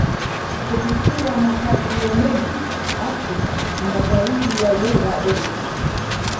Kupitia makadirio mengi, Afrika ina zaidi ya lugha elfu.